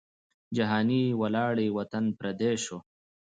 جهاني ولاړې وطن پردی سو